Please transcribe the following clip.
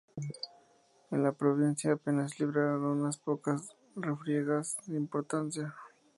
En la provincia apenas se libraron unas pocas refriegas sin importancia.